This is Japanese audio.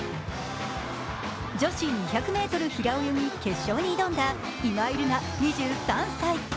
女子２００ｍ平泳ぎ決勝に挑んだ今井月２３歳。